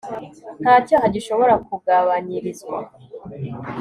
nta cyaha gishobora kugabanyirizwa